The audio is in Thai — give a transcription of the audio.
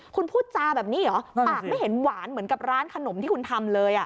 คุณพูดจาแบบนี้เหรอปากไม่เห็นหวานเหมือนกับร้านขนมที่คุณทำเลย